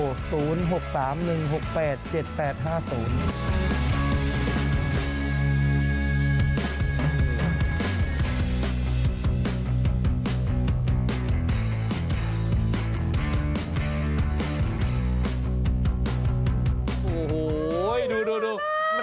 โอ้โฮดูมันน่ารักนะ